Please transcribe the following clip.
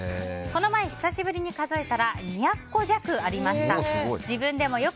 この前、久しぶりに数えたら２００個弱ありました。